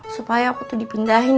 supaya aku tuh dipindahin